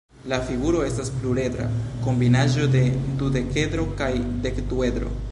La figuro estas pluredra kombinaĵo de dudekedro kaj dekduedro.